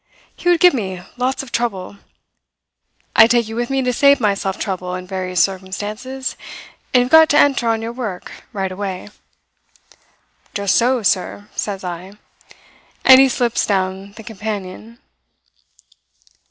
He would give me lots of trouble. I take you with me to save myself trouble in various circumstances; and you've got to enter on your work right away.' "'Just so, sir,' says I; and he slips down the companion.